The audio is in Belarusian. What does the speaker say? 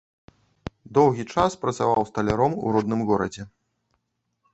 Доўгі час працаваў сталяром у родным горадзе.